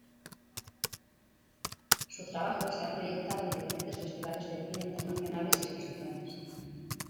Su trabajo se ha proyectado en diferentes festivales de cine internacionales y exposiciones.